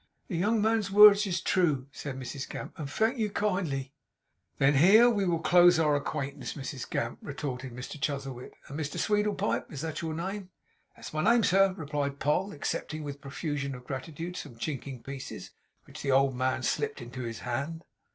'The young man's words is true,' said Mrs Gamp, 'and thank you kindly.' 'Then here we will close our acquaintance, Mrs Gamp,' retorted Mr Chuzzlewit. 'And Mr Sweedlepipe is that your name?' 'That is my name, sir,' replied Poll, accepting with a profusion of gratitude, some chinking pieces which the old man slipped into his hand.